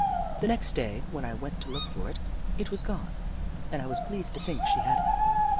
The next day, when I went to look for it, it was gone, and I was pleased to think she had it.